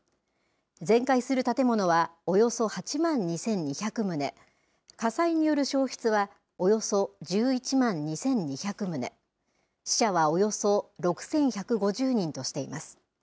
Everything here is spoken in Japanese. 全壊する建物はおよそ８万２２００棟、火災による焼失はおよそ１１万２２００棟、死者はおよそ６１５０人としています。